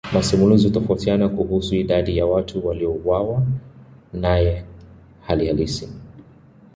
Masimulizi hutofautiana kuhusu idadi ya watu waliouawa naye hali halisi.